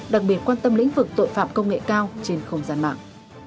đặc biệt quan tâm lĩnh vực tội phạm công nghệ cao trên không gian mạng